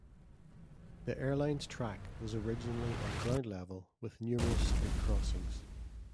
The Air Line's track was originally on ground level with numerous street crossings.